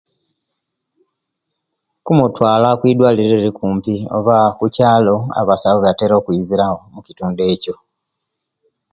Kumutwaala omwidwaliro eryo eriri okumpi oba omukyaalo abasawo eibatira okwizirawo, omukitundu ekyo.